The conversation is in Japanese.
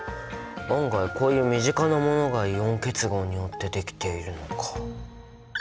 案外こういう身近なものがイオン結合によってできているのか。